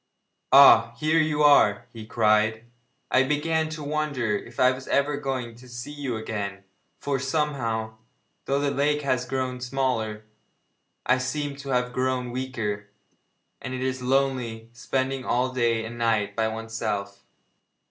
'Ah! here you are,' he cried; 'I began to wonder if I was ever going to see you again, for, somehow, though the lake has grown smaller, I seem to have grown weaker, and it is lonely spending all day and night by oneself!'